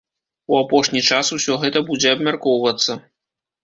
У апошні час усё гэта будзе абмяркоўвацца.